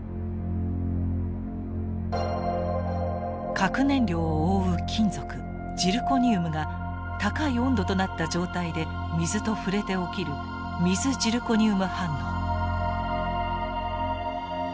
核燃料を覆う金属ジルコ二ウムが高い温度となった状態で水と触れて起きる水ジルコニウム反応。